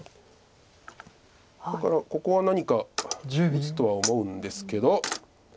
だからここは何か打つとは思うんですけど。